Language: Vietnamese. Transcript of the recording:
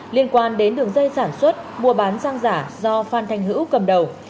liên quan đến đường dây sản xuất mua bán xăng giả do phan thanh hữu cầm đầu